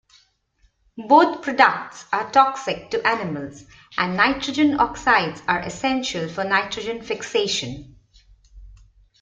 Both products are toxic to animals, and nitrogen oxides are essential for nitrogen fixation.